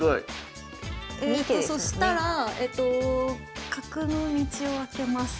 えとそしたら角の道を開けます。